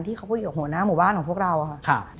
ที่เขาคุยกับหัวหน้าหมู่บ้านของพวกเราค่ะ